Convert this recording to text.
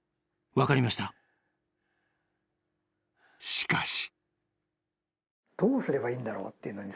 ［しかし］